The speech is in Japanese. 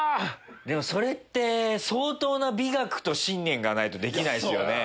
でもそれって相当な美学と信念がないとできないですよね。